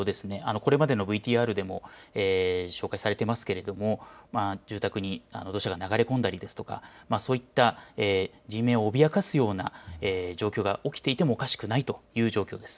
これまでのＶＴＲでも紹介されていますけれども住宅に土砂が流れ込んだりですとかそういった人命を脅かすような状況が起きていてもおかしくないという状況です。